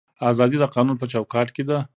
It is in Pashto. ازادي د قانون په چوکاټ کې ده